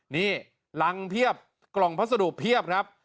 นี่รังเพียบกล่องพัสดุเพียบครับ